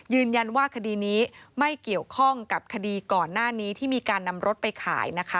ยืนยันว่าคดีนี้ไม่เกี่ยวข้องกับคดีก่อนหน้านี้ที่มีการนำรถไปขายนะคะ